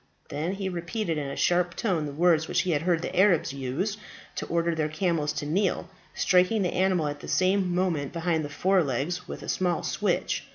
Then he repeated in a sharp tone the words which he had heard the Arabs use to order their camels to kneel, striking the animal at the same moment behind the fore legs with a small switch.